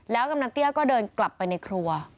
กำนันเตี้ยก็เดินกลับไปในครัว